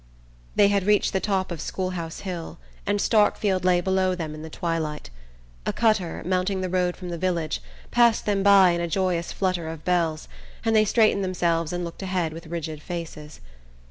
They had reached the top of School House Hill and Starkfield lay below them in the twilight. A cutter, mounting the road from the village, passed them by in a joyous flutter of bells, and they straightened themselves and looked ahead with rigid faces.